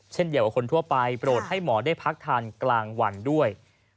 เช่นเดียวกับคนทั่วไปโปรดให้หมอได้พักทานกลางวันด้วย